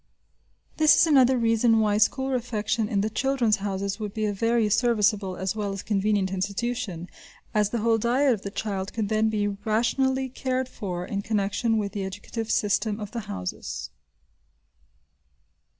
This is another reason why school refection in the "Children's Houses" would be a very serviceable as well as convenient institution, as the whole diet of the child could then be rationally cared for in connection with the educative system of the Houses.